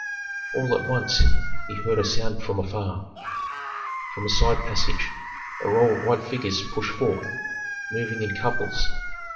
All at once he heard a sound from afar. From a side passage a row of white figures pushed forth, moving in couples.